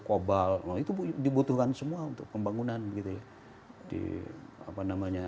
kobal itu dibutuhkan semua untuk pembangunan gitu ya